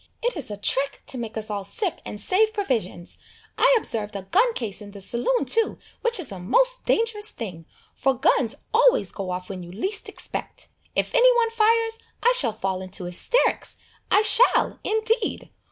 It is a trick to make us all sick and save provisions. I observed a gun case in the saloon too, which is a most dangerous thing, for guns always go off when you least expect. If any one fires, I shall fall into hysterics. I shall, indeed!